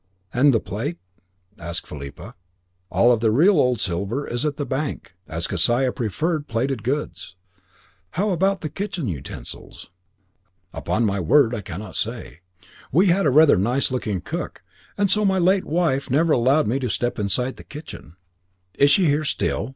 "And the plate?" asked Philippa. "Oh, that is right. All the real old silver is at the bank, as Kesiah preferred plated goods." "How about the kitchen utensils?" "Upon my word I cannot say. We had a rather nice looking cook, and so my late wife never allowed me to step inside the kitchen." "Is she here still?"